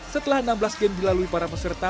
setelah enam belas game dilalui para peserta